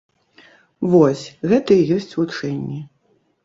Вось, гэта і ёсць вучэнні.